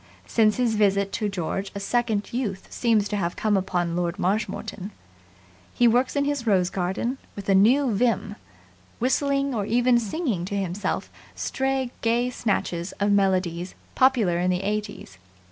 Since his visit to George a second youth seems to have come upon Lord Marshmoreton. He works in his rose garden with a new vim, whistling or even singing to himself stray gay snatches of melodies popular in the 'eighties.